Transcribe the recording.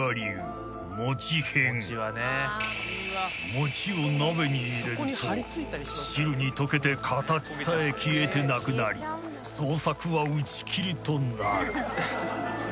［餅を鍋に入れると汁に溶けて形さえ消えてなくなり捜索は打ち切りとなる］